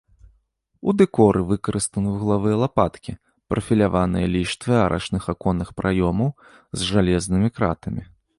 У дэкоры выкарыстаны вуглавыя лапаткі, прафіляваныя ліштвы арачных аконных праёмаў з жалезнымі кратамі.